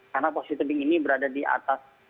karena posisi tebing ini berada di atas